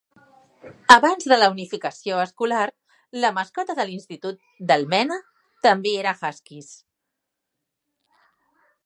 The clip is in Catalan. Abans de la unificació escolar, la mascota de l'institut d'Almena també era Huskies.